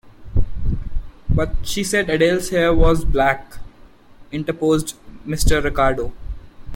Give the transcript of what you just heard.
"But she said Adele's hair was black," interposed Mr. Ricardo.